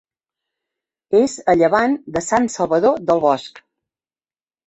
És a llevant de Sant Salvador del Bosc.